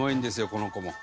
この子も」